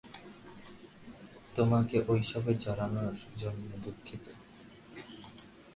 তোমাকে এইসবে জড়ানোর জন্য দুঃখিত।